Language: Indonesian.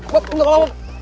bob untuk allah